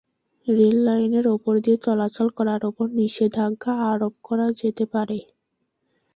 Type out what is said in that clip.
রেললাইনের ওপর দিয়ে চলাচল করার ওপর নিষেধাজ্ঞা আরোপ করা যেতে পারে।